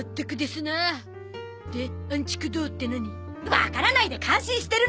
わからないで感心してるなよ。